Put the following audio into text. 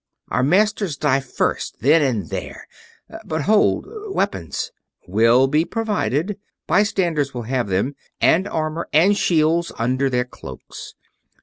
Our masters die first, then and there ... but hold weapons?" "Will be provided. Bystanders will have them, and armor and shields, under their cloaks.